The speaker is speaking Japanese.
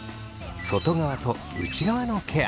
外側と内側のケア。